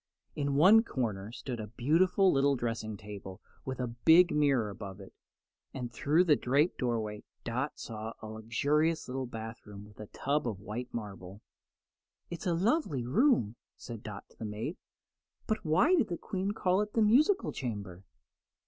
In one corner stood a beautiful little dressing table with a big mirror above it, and through a draped doorway Dot saw a luxurious little bathroom with a tub of white marble. "It's a lovely room," said Dot to the maid; "but why did the Queen call it the musical chamber?"